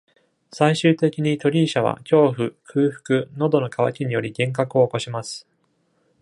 最終的に、トリーシャは、恐怖、空腹、喉の渇きにより幻覚を起こします。